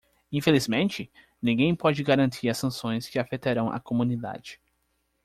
Infelizmente,? ninguém pode garantir as sanções que afetarão a comunidade.